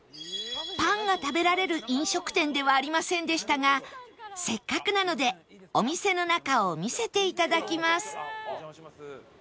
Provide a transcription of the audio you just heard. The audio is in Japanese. パンが食べられる飲食店ではありませんでしたがせっかくなのでお店の中を見せていただきます